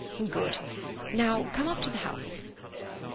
"Good. Now come up to the house."